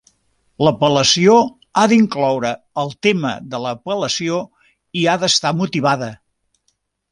L'apel·lació ha d'incloure el tema de l'apel·lació i ha d'estar motivada.